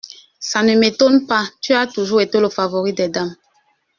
Ca ne m’étonne pas, tu as toujours été le favori des dames.